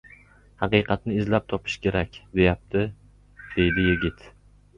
— Haqiqatni izlab topish kerak, deyapti! — dedi yigit.